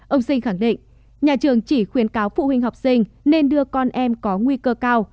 ông sinh khẳng định nhà trường chỉ khuyến cáo phụ huynh học sinh nên đưa con em có nguy cơ cao